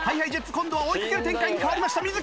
ＨｉＨｉＪｅｔｓ今度は追いかける展開に変わりました。